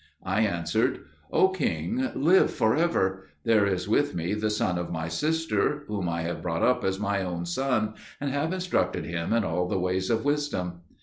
I answered, "O king, live for ever. There is with me the son of my sister, whom I have brought up as my own son, and have instructed him in all the ways of wisdom."